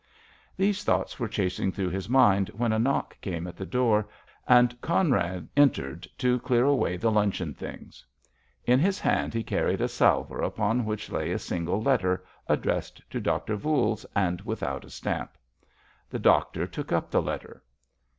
These thoughts were passing through his mind when a knock came at the door, and Conrad entered to clear away the luncheon things. In his hand he carried a salver upon which lay a single letter, addressed to Doctor Voules, and without a stamp. The doctor took up the letter.